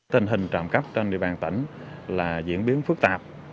tình hình trộm cắp trên địa bàn tỉnh là diễn biến phức tạp